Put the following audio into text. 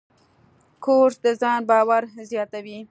کورس د ځان باور زیاتوي.